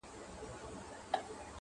o په سپورږمۍ كي ستا تصوير دى؛